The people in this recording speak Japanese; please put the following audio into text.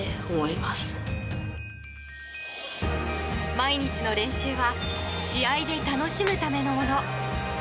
毎日の練習は試合で楽しむためのもの。